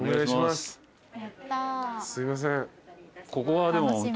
すいません。